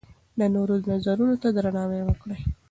د نورو نظرونو ته درناوی وکړئ.